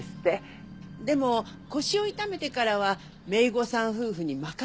でも腰を痛めてからは姪御さん夫婦に任せてるって。